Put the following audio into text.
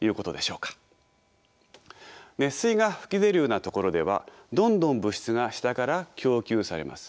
熱水が噴き出るような所ではどんどん物質が下から供給されます。